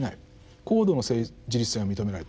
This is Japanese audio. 高度の自立性が認められてる。